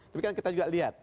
tapi kan kita juga lihat